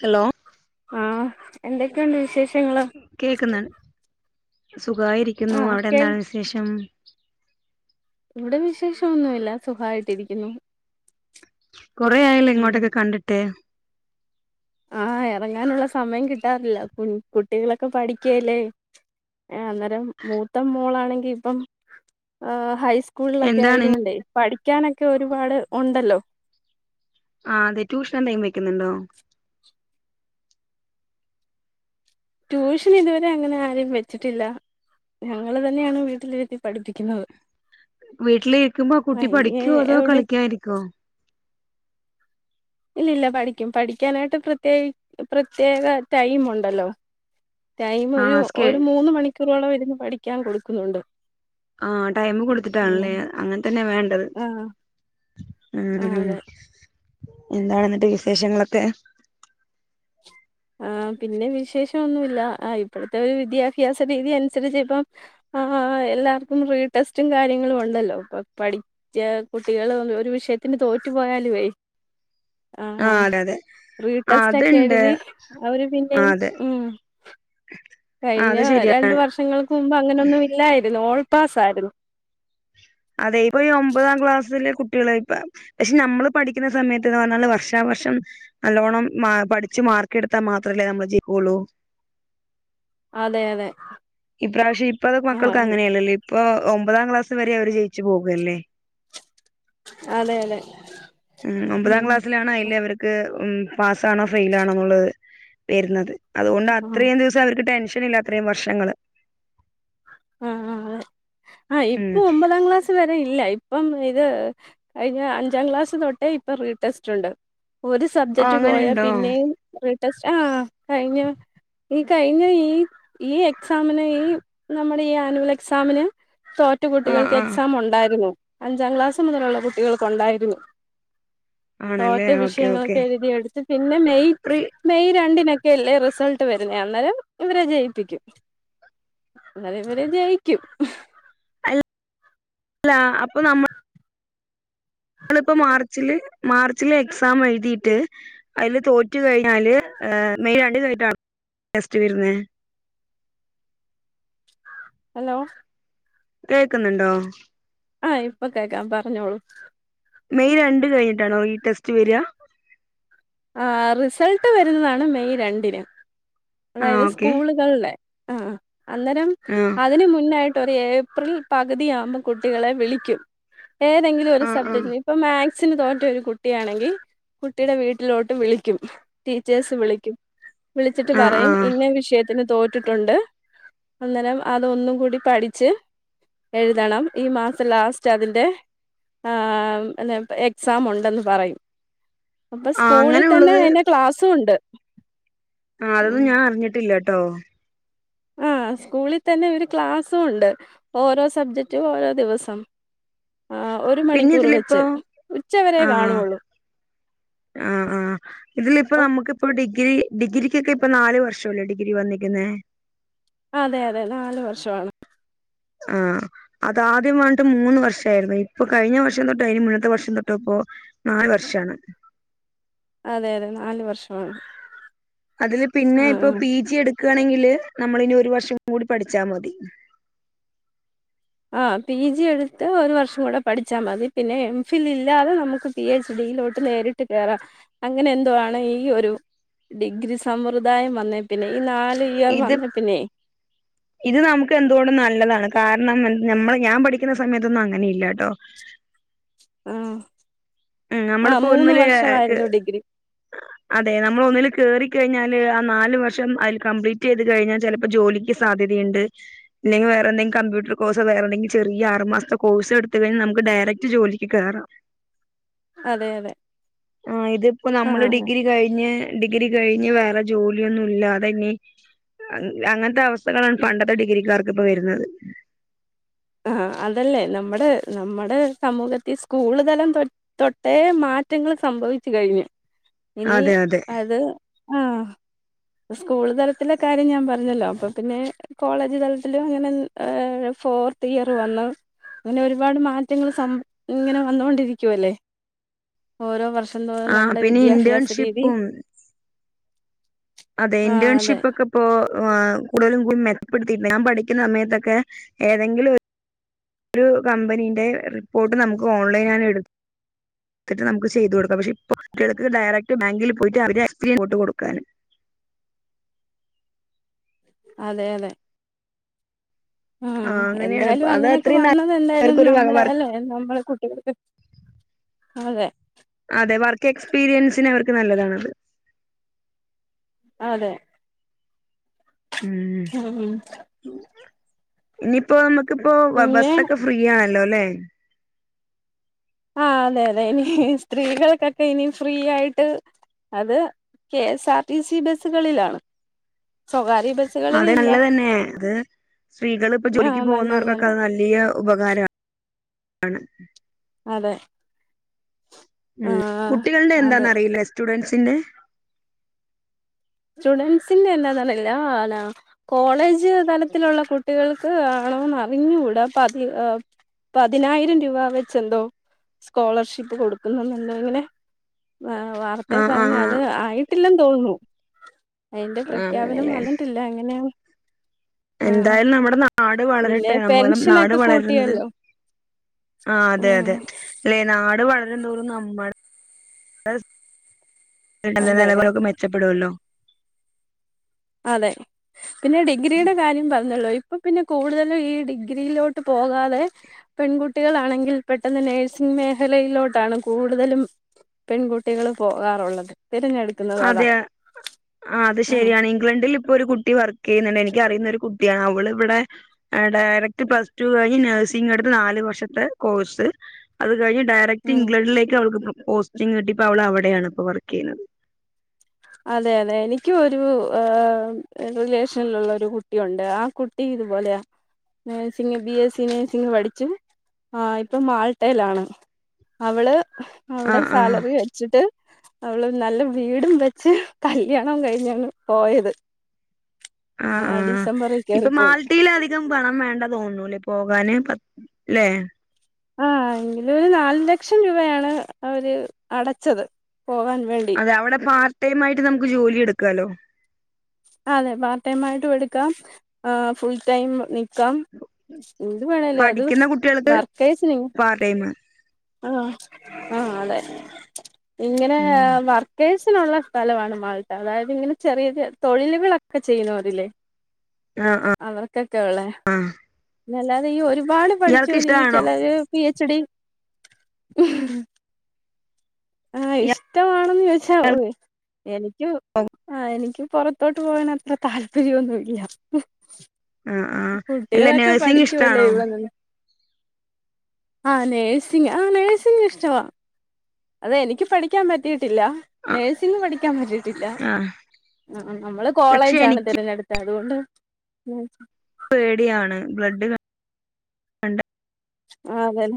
Hello ആഹ് എന്തൊക്കെയുണ്ട് വിശേഷങ്ങള് കേക്കുന്ന് സുഖായിരിക്കുന്നു ആഹ് അവിടെ കേൾ എന്താണ് വിശേഷം ഇവിടെ വിശേഷംഒന്നുഇല്ല സുഹായിട്ടിരിക്കുന്നു കൊറെ ആയല്ലോ ഇങ്ങോട്ടൊക്കെ കണ്ടിട്ട് ആഹ് എറങ്ങാനുള്ള സമയം കിട്ടാറില്ല കു കുട്ടികളൊക്കെ പഠിക്കല്ലേ ഏ അന്നേരം മൂത്ത മോളാണെങ്കിൽ ഇപ്പം ആഹ് ഹൈസ് സ്കൂളിലൊക്കെ എന്താണ് ആയത് കൊണ്ടെ പഠിക്കാനൊക്കെ ഒരുപാട് ഉണ്ടല്ലോ ആ അതെ ട്യൂഷൻ എന്തേം വെക്കുന്നുണ്ടോ ട്യൂഷൻ ഇതുവരെ അങ്ങനെ ആരേം വെച്ചിട്ടില്ല ഞങ്ങള് തന്നെയാണ് വീട്ടിലിരുത്തി പഠിപ്പിക്കുന്നത് വീട്ടിലിരിക്കുമ്പോ കുട്ടി ആഹ് ഇനി പഠിക്കോ അതോ എവിടെ കളിക്കായിരിക്കുവോ ഇല്ല ഇല്ല പഠിക്കും പഠിക്കാനായിട്ട് പ്രത്യേക പ്രത്യേക ടൈം ഉണ്ടല്ലോ ടൈം ആ ഒരു സ്കേ ഒരു മൂന്ന് മണിക്കൂറോളം ഇരുന്ന് പഠിക്കാൻ കൊടുക്കുന്നുണ്ട് ആഹ് ടൈം കൊടുത്തിട്ടാണല്ലേ ആഹ് അങ്ങനെ തന്നെയ വേണ്ടത് ഉ ആഹ് ഉ അതെ എന്താണ ന്നിട്ട് വിശേഷങ്ങളൊക്കെ ആ പിന്നെ വിശേഷംഒന്നുല്ല ഇപ്പോഴത്തെ ഒരു വിദ്യാഭ്യാസ രീതി അനുസരിച്ച് ഇപ്പം ആ എല്ലാർക്കും റീ ടെസ്റ്റും കാര്യങ്ങളും ഉണ്ടല്ലോ ഇപ്പൊ പഠി കുട്ടികള് ഒരു വിഷയത്തിന് തോറ്റു പോയാലുവേ [inaudible] ആ ആ അതെ അതെ റീ ആ ടെസ്റ്റ് ഒക്കെ അതുണ്ട് എഴുതി അവര് ആ പിന്നെയ അതെ ഉ ആ കഴിഞ്ഞ അത് ശരിയാ രണ്ടു വർഷങ്ങൾക്ക് മുമ്പ് അങ്ങനൊന്നും ഇല്ലായിരുന്നു ഓൾപാസ് ആായിരുന്നു അതെ ഇപ്പൊ ഈ ഒമ്പതാം ക്ലാസ്സിലെ കുട്ടികള ഇപ്പ പക്ഷെ നമ്മള് പഠിക്കുന്ന സമയത്ത് എന്ന് പറഞ്ഞാല് വർഷാവർഷം നല്ലോണ്ണം പഠിച്ച് മാർക്ക് എടുത്താൽ മാത്രമല്ലേ നമ്മൾ ജയിുക്കുള്ളൂ അതെ അതെ ഇപ്രാവശ്യം ഇപ്പ അത് മക്കൾക്ക് ആഹ് അങ്ങനെയല്ലല്ലോ ഇപ്പൊ ഒമ്പതാം ക്ലാസ് വരെ അവര് ജയിച്ചു പോകല്ലേ അതെ അതെ ഉ ഒമ്പതാം ഉം ക്ലാസ്സിലാണ് അല്ലേ അവർ ക്ക് ഉം പാസ്സ് ആണോ ഫൈൽ ആണോ എന്നുള്ളത് വരുന്നത് അതുകൊണ്ട് ആഹ് അത്രയും റിസ്ക് അവർക്ക് ടെൻഷൻ ഇല്ല അത്രയും വർഷങ്ങങ്ങള് ആഹ് ആഹ് ആ ഉം ഇപ്പൊ ഒമ്പതാം ക്ലാസ് വരെ ഇല്ല ഇപ്പം ഇത് കഴിഞ്ഞ അഞ്ചാം ക്ലാസ് തൊട്ടേ ഇപ്പൊ റീടെസ്റ്റ് ഉണ്ട് ഒരു ആ സബ്ജക്റ്റ് പോയാൽ അങ്ങനെയുണ്ടോ പിന്നെയും റീ ടെസ്റ്റ് ആ കഴിഞ്ഞ ഈ കഴിഞ്ഞ ഈ ഈ എക്സാമിനെ ഈ നമ്മുടെ ഈ ആനുവൽ എക്സാമിന് തോറ്റ ആഹ് കുട്ടികൾക്ക് ആഹ് എക്സാം ഉണ്ടായിരുന്നു അഞ്ചാം ക്ലാസ് മുതലുള്ള കുട്ടികൾക്കുണ്ടായിരുന്നു ആണല്ലേ തോറ്റ ഓക്കെ ഓക്കെ വിഷയങ്ങളൊക്കെ എഴുതിെടുത്ത് പിന്നെ മെയറ്റ് മെയ് രണ്ടിനൊക്കെയല്ലേ റിസൾട്ട് വരുന്നെ അന്നേരം ഇവരെ ജയിപ്പിക്കും അന്നേരം ഇവര് ജയിക്കും അല്ല അപ്പൊ നമ്മ ഞമ്മളിപ്പോ മാർച്ചില് മാർച്ചില് എക്സാം എഴുതിയിട്ട് അതില് തോറ്റു കഴിഞ്ഞാല് മെയ് രണ്ട് കഴിഞ്ഞിട്ടാണ് ടെസ്റ്റ് വരുന്നത് ഹലോ കേൾക്കുന്നുണ്ടോ ആഹ് ഇപ്പൊ കേക്കാാം പറഞ്ഞോളൂ മെയ് രണ്ട് കഴിഞ്ഞിട്ടാണോ ഈ ടെസ്റ്റ് വരിക ആ റിസൾട്ട് വരുന്നതാണ് മെയ് രണ്ടിന് ആ അതായത് ഓക്കെ സ്കൂളുകളുടെ ആ അന്നേരം ആഹ് അതിന് മുന്നായിട്ട് ഒരു ഏപ്രിൽ പകുതിയാകുമ്പോൾ കുട്ടികളെ വിളിക്കും ഏതെങ്കിലും ഒരു ആ സബ്ജക്ട് ആ ഇപ്പൊ മാത്സിന് തോറ്റ ഒരു കുട്ടിയാണെങ്കിൽ കുട്ടിയുടെ വീട്ടിൽ വീട്ടിലോട്ട് വിളിക്കും ടീച്ചേഴസ് വിളിക്കും വിളിച്ചിട്ട് ആ ആ പറയും ഇന്ന വിഷയത്തി ത്തിന് തോറ്റിട്ടുണ്ട് അന്നേരം അതൊന്നും കൂടി പഠിച്ച് എഴുതണം ഈ മാസം ലാസ്റ്റ് അതിന്റെ ആ ആ ആ അന്നപ്പം എക്സാം ഉണ്ടെന്ന് പറയും അപ്പം ആ സ്കൂളിൽ തന്നെ അങ്ങനെയുള്ളത് അതിന്റെ ക്ലാസ്സും ഉണ്ട് ആഹ് അതൊന്നും ഉം. ഞാൻ അറിഞ്ഞിട്ടില്ല കേട്ടോ. ആഹ് സ്കൂളിൽ തന്നെ ഇവര് ക്ലാസ്സും ഉണ്ട്. ഓരോ സബ്ജെക്ടും ഓരോ ദിവസം. ആഹ് ഒരു പിന്നെ മണിക്കൂർ ഇതിലിപ്പോ വെച്ച് ഉച്ചവരെ കാണുള്ളൂ. ആഹ് ആഹ് ഇതില് ഇപ്പൊ നമുക്കിപ്പം ഡിഗ്രി ഡിഗ്രിക്കൊക്കെ ഇപ്പൊ നാല് വർഷല്ലേ ഡിഗ്രി വന്നിരിക്കുന്നേ. അതെ അതെ നാല് വർഷമാണ്. ആഹ് അത് ആദ്യം വേണ്ടേ മൂന്ന് വർഷം ആയിരുന്നു ഇപ്പൊ കഴിഞ്ഞ വർഷം തൊട്ട് അതിന് മുന്നത്തെ വർഷം തൊട്ടിപ്പോ. നാല് വർഷമാണ്. അതെ അതെ നാല് വർഷമാണ്. അതില് പിന്നെ ഇപ്പൊ ആഹ് പി ജി എടുക്കയാണെങ്കില് നമ്മള് ഇനി ഒരു വർഷം കൂടി പഠിച്ചാൽ മതി. ആഹ് പി ജി എടുത്ത് ഒരു വർഷം കൂടെ പഠിച്ചാൽ മതി പിന്നെ എം ഫിൽ ഇല്ലാതെ നമുക്ക്. പി എച്ച് ഡി യിലോട്ട് നേരിട്ട് കേറാം, അങ്ങനെ എന്തോ ആണ് ഈ ഒരു. ഡിഗ്രി സമ്പ്രദായം വന്നേ പിന്നെ ഈ നാല് ഇയർ ഇത് വന്നേ പിന്നെ. [inaudible] ഇത് നമുക്ക് എന്തുകൊണ്ടും നല്ലതാണ്, കാരണം ഞമ്മള് ഞാൻ പഠിക്കുന്ന സമയത്തൊന്നും അങ്ങനെ ഇല്ല കേട്ടോ. ഉം ഉം നമ്മളിപ്പോ ഒന്നില് കേ ഡിഗ്രി അതെ നമ്മൾ ഒന്നില് കേറിക്കഴിഞ്ഞാല് ആഹ് നാല് വർഷം അതിൽ കംപ്ലീറ്റ് ചെയ്ത് കഴിഞ്ഞാൽ ചിലപ്പോ ജോലി. ക്ക് സാധ്യതയുണ്ട്. അല്ലെങ്കിൽ വേറെന്തെങ്കിലും കമ്പ്യൂട്ടർ കോഴ്സ് വേറെന്തെിങ്കിലും ചെറിയ ആറ് മാസത്തെ കോഴ്സ് എടുത്ത് കഴിഞ്ഞാൽ നമുക്ക് ഡയറക്റ്റ് ജോലിക്ക് കേറാം. അതെ അതെ ആഹ് ഇത് ഇപ്പോ നമ്മള് ആഹ് ഡിഗ്രി കഴിഞ്ഞ് ഡിഗ്രി കഴിഞ്ഞ് വേറെ ജോലിയൊന്നും ഇല്ലാതെ ഇനി. ആഹ് അങ്ങനത്തെ അവസ്ഥകളാണ് പണ്ടത്തെ ഡിഗ്രിക്കാർക്ക് ഇപ്പ വരുന്നത്. ആഹ് അതല്ലേ നമ്മുടെ നമ്മുടെ സമൂഹത്തിൽ സ്കൂള് തലം തൊ തൊട്ടേ മാറ്റങ്ങൾ സംഭവിച്ചു കഴിഞ്ഞു ഇനി അതെ അതെ അത് ആഹ്. സ്കൂൾ തലത്തിലെ കാര്യം ഞാൻ പറഞ്ഞല്ലോ അപ്പൊ പിന്നെ. കോളേജ് തലത്തിലും ഇങ്ങനെ ഏഹ് ഫോർത്ത് ഇയർ വന്നു. അങ്ങനെ ഒരുപാട് മാറ്റങ്ങൾ സം ഇങ്ങനെ വന്നൊണ്ടിരിക്കുവല്ലേ. ഓരോ വർഷം തോറും ആ നമ്മുടെ പിന്നെ വിദ്യാഭ്യാസരീതി. ഇന്റേൺഷിപ്പും അതെ ആഹ് അതെ ഇന്റേൺഷിപ്പ് ഒക്കെ ഇപ്പൊ. ഇപ്പൊ ആഹ് കൂടുതലും കൂടുതലും മെച്ചപ്പെടുത്തിയിട്ടുണ്ട്, ഞാൻ പഠിക്കുന്ന സമയത്തൊക്കെ ഏതെങ്കിലും ഒരു. ഒരു കമ്പനിന്റെ റിപ്പോർട്ട് നമുക്ക് ഓൺലൈനിൽ ഞാൻ എടു ത്തിട്ട് നമുക്ക് ചെയ്ത് കൊടുക്കാം, പക്ഷെ ഇപ്പ കുട്ടികൾക്ക് ഡയറക്റ്റ് ബാങ്കിൽ പോയിട്ട് അവര് എക്സ്പീരിയൻസ് റിപ്പോർട്ട്‌ കൊടുക്കാന്. അതെ അതെ ആഹ് ആ അങ്ങനെയാണ് ഇപ്പൊ. എന്തായാലും അത് അങ്ങനെയൊക്കെ അത്രയും നല്ല വന്നത് എന്തായാലും അവർക്കൊരു വക- നമ്മുടെ വർക്ക് അല്ലെ നമ്മള് കുട്ടികൾക്ക്. അതെ അതെ വർക്ക് എക്സ്പീരിയൻസിന് അവർക്ക് നല്ലതാണ്. അതെ ഉം, ഉം ഇനിയിപ്പോ നമുക്കിപ്പോ പിന്നെ ബസ് ഒക്കെ. ഫ്രീ ആണല്ലോ അല്ലേ. ആഹ് അതെ അതെ ഇനി സ്ത്രീകൾക്കൊക്കെ ഇനി ഫ്രീ ആയിട്ട്. അത് K S R T C ബസ്സുകളിലാണ് സ്വകാര്യ. അത് ബസ്സുകളിലില്ല നല്ലത് തന്നെ അത് സ്ത്രീകൾ ഇപ്പൊ ജോലിക്ക് ആഹ് നല്ലത് പോകുന്നവർക്കൊക്കെ തന്നെ അത് നല്ല. വലിയ ഉപകാരം ആണ് അതെ ഉം ആഹ് കുട്ടികള്ടെ അതെ എന്താന്ന് അറിയില്ല സ്റ്റുഡന്റ്സിന്റെ സ്റ്റുഡൻസിന്റെ എന്താന്നയില്ല [unintelligible] ലാ നാ കോളേജ് തലത്തിലുള്ള കുട്ടികൾക്ക് ആണോന്ന് അറിഞ്ഞൂട അപ്പൊ അതി- പതിനായിരം രൂപ വെച്ചെന്തോ സ്കോളർഷിപ്പ് കൊടുക്കുന്നുണ്ടോ ഇങ്ങനെ ആ വാർത്തേ ആ പറഞ്ഞ ആ അത്. ആയിട്ടില്ലെന്ന് തോന്നുന്നു. അയ്ന്റെ ആ പ്രഖ്യാപനം അങ്ങനെല്ലേ വന്നിട്ട്ല്ല. എങ്ങനെ എന്തായാലും നമ്മടെ നാട് പിന്നെ വളരട്ടെ. നമലം നാട് പെൻഷനൊക്കെ വളരുന്നത്. കൂട്ടിയല്ലോ ആ അതെ ഉം അതെ. അല്ലെ നാട് വളരുംന്തോറും നമ്മടെ അതെ ഇടനിലവ അതെ [unintelligible] ക്കെ മെച്ചപ്പെടോല്ലോ. അതെ പിന്നെ ഡിഗ്രിയുടെ കാര്യം പറഞ്ഞല്ലൊ. ഇപ്പൊ പിന്നെ കൂടുതലും ഈ ഡിഗ്രിയിലോട്ട് പോകാതെ. പെൺകുട്ടികളാണെങ്കിൽ പെട്ടെന്ന് നേഴ്സിങ് മേഖലയിലോട്ടാണ് കൂടുതലും. പെൺകുട്ടികള് പോകാറുള്ളത്. തെരഞ്ഞെടുക്കുന്ന അതെ. ആ അത് ശരിയാണെ ഇംഗ്ലണ്ടില് ഇപ്പൊ ഒരു കുട്ടി വർക്ക് ചെയ്യുന്നുണ്ട് എനിക്ക് അറിയുന്നൊരു കുട്ടിയാണ്. അവള് ഇവിടെ. ഡയറക്ട് പ്ലസ് ടു കഴിഞ്ഞ് നഴ്സിംഗ എടുത്ത് നാല് വർഷത്തെ കോഴ്സ് അത് കഴിഞ്ഞ് ഡയറ ക്റ്റ് ഉം ഇംഗ്ലണ്ടിലേക്ക് അവൾക്ക് പോസ്റ്റ് കിട്ടി. ഇപ്പവള് അവിടെയാണ് ഇപ്പോ വർക്ക് ചെയ്യുന്നത്. അതെ അതെ. എനിക്ക്യ് ഒരു ഏഹ് റിലേഷൻള്ള ഒരു കുട്ടിയുണ്ട്. ആ കുട്ടി കുട്ടി ഇതുപോലെയ നേഴ്സിംഗ് ബി എസ്സി നേഴ്സിംഗ് പഠിച്ചും. ആ ഇപ്പം മാൾട്ടേലാണ്. അവള് ആ അവ്ടെ ആ സാലറി വെച്ചിട്ട് അവള് നല്ല വീടും വെ ച്ച് കല്യാണം കഴിഞ്ഞാണ് പോയത്. ആ ആ ആഹ് ഡിസംബറിൽ ഇപ്പ കേറിപ്പോയി മാൾട്ടീല് അതികം പണം വേണ്ട തോന്നുന്നു [unintelligible] പോകാന് പറ്റ് ലെ. ആ എങ്കിലും ഒരു നാല് ലക്ഷം രൂപയാണ് അവര് അടച്ചത്. പോകാൻ വേണ്ടി അതെ അവിടെ പാർട്ട് ടൈമായിട്ട് നമക്ക് ജോലി എടുക്കാല്ലോ. ആ അതെ. പാർട്ട് ടൈം ആയിട്ടും എടുക്കാം ഫുൾ ടൈം ക്കാം. എന്ത് വേണേയ്ലു അത് വർക്കേസിന് - പാർ ടൈമ്. ആ ആ അതെ. ഇങ്ങനെ ഉം വർക് കേഴ്സിനുള്ള സ്ഥലമാണ് മാൾട്ട. അതായത് ഇങ്ങനെ ചെറിയ തൊഴിലുകളൊക്കെ ചെയ്യുന്നോര്ല്ലെ. ആഹ് ആഹ് അവർക്കൊക്കെ ഉള്ളെ. ആഹ് അല്ലാതെ ഈ ഒരുപാട് ഇയാൾക്ക് പഠിച്ചോല് ഇഷ്ടാണോ ചെലര് പി എച്ച് ഡി. [inaudible] ആഹ് ഇഷ്ടമാണെന്ന് ചോദിച്ച ഓഹ് എനിക്ക് ആ എനിക്ക് പൊറത്തോട്ട് പോകാൻ അത്ര താല്പര്യൊന്നുല്ല. ആഹ് ആഹ് അല്ല കുട്ടികളൊക്കെ നഴ്സിംഗ് പഠിക്ക്വല്ലേ ഇഷ്ടാണോ ഇവിടെ നിന്ന്. ആഹ് നേഴ്സിങ് ആ നേഴ്സിങ്ങ് ഇഷ്ട വ. അതെ എനിക്ക് പഠിക്കാൻ പറ്റിയിട്ടില്ല. ആഹ് നേഴ്സിംഗ് പഠിക്കാൻ പറ്റീട്ടില്ല. ആഹ് ആ നമ്മള് പക്ഷെ കോളേജാണ് എനിക്ക് തിരഞ്ഞെടു- അതുകൊണ്ട് ഉം. പേട്യാണ് ബ്ലഡ് ക ആ അതെല്ലെ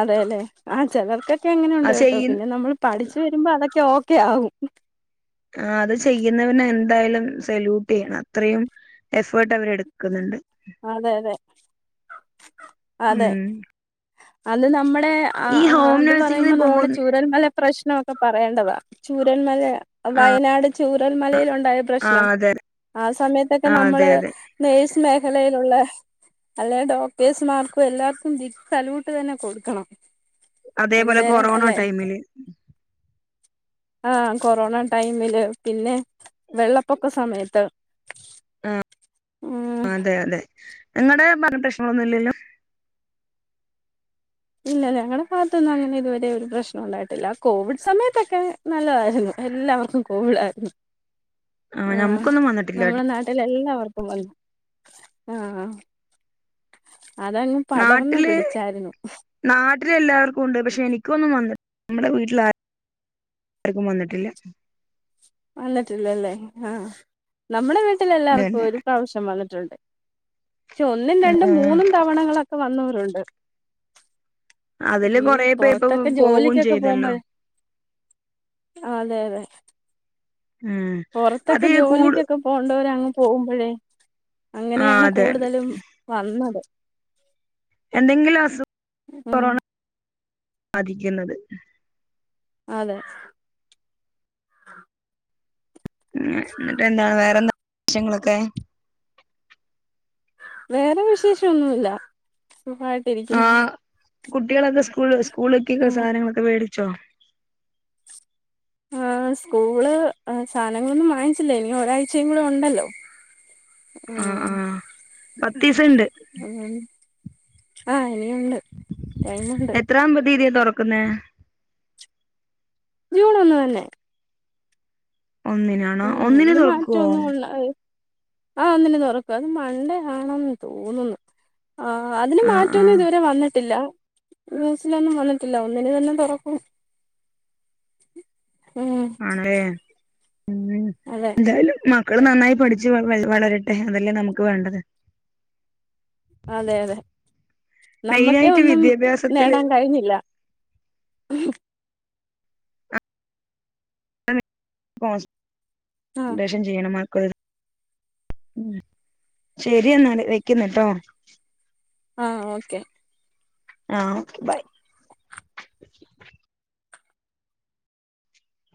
അതെ അല്ലെ ആഹ് ചെലർക്ക ക്കെ അങ്ങനെയുണ്ട് അത് കേട്ടോ ചെയ്യ പിന്നെ നമ്മൾ പഠിച്ചു വരുമ്പോ അതൊക്കെ ഓക്കെ ആകും ആ അത് ചെയ്യുന്നവന് എന്തായാലും സെല്യൂട്ട് ചെയ്യണം അത്രയും എഫേർട്ട് അവരെടുക്ക ക്കുന്നുണ്ട് അതെ അതെ അതെ ഉം അത് നമ്മടെ ആ ഈ ഹോം അത് പറയുമ്പോ നഴ്സിങ്ങിന് നമ്മുടെ പോകുന്ന ചൂരൽമല പ്രശ്നോക്കെ പറയേണ്ടതാ ചൂരൽ മല. വയനാട് ചൂരൽ മലയിലുണ്ടായ പ്രശ്നം ആഹ് അതെ ആ സമയത്തൊക്കെ ആഹ് അതെ നമ്മള് അതെ നെയ്സ് മേഖലയിലുള്ള അല്ലെൽ ഡോക്ടേഴ്സ് മാർക്കും എല്ലാർക്കും ബിഗ് സല്യൂട് തന്നെ കൊടുക്കണം അതേപോലെ എന്തേരെ കൊറോണ അല്ലെ ടൈമില് ആഹ് കൊറോണ ടൈമില് പിന്നെ വെള്ളപ്പൊക്ക സമയത്ത് ആഹ് ഉം അതെ അതെ നിങ്ങടെബാത്ത് പ്രശ്നൊന്നുംല്ലല്ലോ ഇല്ല ഞങ്ങളുടെ ഭാത്തൊന്നും അങ്ങനെ ഇതുവരെ ഒരു പ്രശ്നം ഉണ്ടായിട്ടില്ല കോവിഡ് സമയത്തൊക്കെ നല്ലതായിരുന്നു എല്ലാവർക്കും കൂളായിരുന്നു ആഹ് നമുക്കൊന്നും വന്നിട്ടില്ല നമ്മളെ നാ നാട്ടിൽ എല്ലാവർക്കും വന്നു ആഹ് ആഹ് അതങ്‌ നാട്ടില് നാട്ടില് എല്ലാവർക്കും ഉണ്ട് പക്ഷെ എനിക്കൊന്നും വന്നി നമ്മുടെ വീട്ടില ആ ർക്കും വന്നിട്ടില്ല. വന്നിട്ടില്ലല്ലേ ആഹ് നമ്മുടെ വീട്ടില് എല്ലാർക്കും ഇതന്നെ ഒരു പ്രാവശ്യം വന്നിട്ടുണ്ട്. പക്ഷെ ഒന്നും ഉം രണ്ടും ഉം മൂന്നും തവണകളൊക്കെ വന്നവരുണ്ട് അതില് ഈ കൊറേ പേര് ഇപ്പൊ പുറത്തൊക്കെ പോവും ജോലിക്കൊക്കെ ചെയ്തല്ലോ പോകുമ്പഴേ ആഹ് അതെ അതെ ഉം അത് പുറത്തൊക്കെ കൂടു ജോലിക്കൊക്കെ പോകണ്ടവരങ്ങ് പോകുമ്പോഴേ ആഹ് അങ്ങനെയാണ് അതെ കൂടുതലും വന്നത് എന്തെങ്കിലും അസു ഉം കൊറോണ ബാധിക്കുന്നത്. അതെ ഉം ഇന്നിട്ട് എന്താണ് വേറെന്താ വിശേശങ്ങളൊക്കെ വേറെ വിശേഷംന്നുല്ല സുഖാ ആഹ് കുട്ടികളൊക്കെ സ്കൂൾ സ്കൂളിക്ക് ഉം സാധനങ്ങളൊക്കെ മേടിച്ചോ? ആഹ് സ്കൂൾ സാധനങ്ങളൊന്നും വാങ്ങിച്ചില്ല ഇനി ഒരാഴ്ചയും കൂടെ ഉണ്ടല്ലോ ആഹ് പത്തീസം ഉണ്ട് ഉം ആഹ് ഇനിയുണ്ട് ടൈമുണ്ട് എത്രാം തിയ്യതിയാ തൊറക്കുന്നേ ജൂൺ ഒന്ന് തന്നെ ഒന്നിനാണോ ഉം ഒന്നിന് അതില് തൊറക്കോ? ആഹ് ഒന്നിന് തൊറക്കും അത് മൺണ്ടയാണെന്ന് തോന്നുന്നു. ആഹ് അതിന് ആഹ് മാറ്റൊന്നും ആഹ് ഇതുവരെ വന്നിട്ടില്ല ന്യൂസിലൊന്നും വന്നിട്ടില്ല ഒന്നിന് തന്നെ തൊറക്കും. ആണല്ലേ ഉം അതെ എന്തായാലും മക്കള് നന്നായി പഠിച്ച് വളരട്ടെ അതല്ലേ നമുക്ക് വേണ്ടത്. അതെ അതെ നമ്മക്കെ മെയിനായിട്ട് ഒന്നും വിദ്യാഭ്യാസത്തില് നേടാൻ കഴിഞ്ഞില്ല ഉം കോൺസ് ആഹ് പ്പേഷൻ ചെയ്യണം മക്കളെടുത് ഉം ശരി എന്നാല് വെക്കുന്ന്ട്ടോ ആഹ് ഓക്കെ ആഹ് ഓക്കെ ബൈ